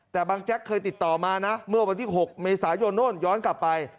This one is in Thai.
แต่บางแจ๊กเคยติดต่อมานะเมื่อวันที่๖เมษายนโน่นย้อนกลับไป